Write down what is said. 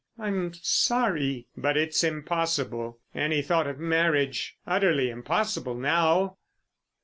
I'm sorry—but it's impossible. Any thought of marriage. Utterly impossible now!"